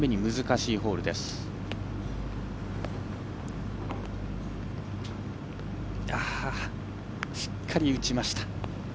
しっかり打ちました。